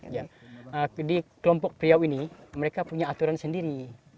jadi kelompok pria ini mereka punya aturan sendiri